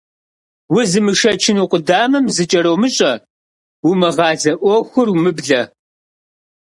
Узымышэчыну къудамэм зыкӀэромыщӀэ, умыгъазэ Ӏуэхур умыублэ.